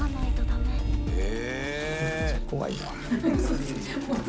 めっちゃ怖い。